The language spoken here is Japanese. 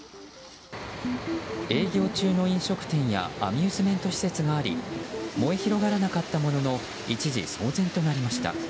営業中の飲食店やアミューズメント施設があり燃え広がらなかったものの一時騒然となりました。